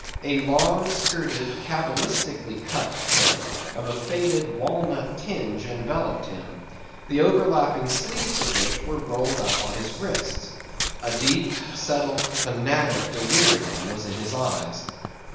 A long skirted, cabalistically cut coat of a faded walnut tinge enveloped him; the overlapping sleeves of which were rolled up on his wrists. A deep, settled, fanatic delirium was in his eyes.